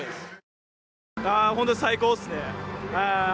本当、最高ですね。